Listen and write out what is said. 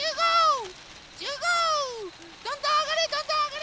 どんどんあがれ！